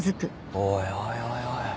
おいおいおいおい。